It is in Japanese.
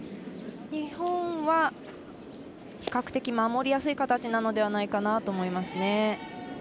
日本は比較的守りやすい形なのではないかなと思いますね。